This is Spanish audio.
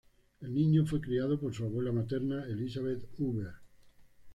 El niño fue criado por su abuela materna Elisabeth Huber.